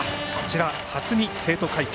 初見生徒会長。